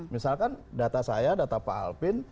misalkan data saya data pak alpin